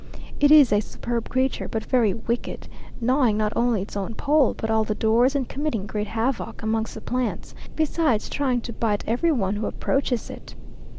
It is a superb creature but very wicked, gnawing not only its own pole, but all the doors, and committing great havoc amongst the plants, besides trying to bite every one who approaches it.